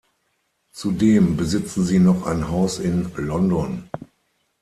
Zudem besitzen sie noch ein Haus in London.